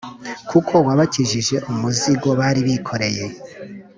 kuko wabakijije umuzigo bari bikoreye,